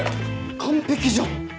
完璧じゃん。